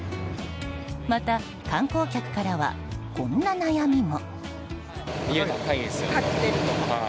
また、観光客からはこんな悩みも。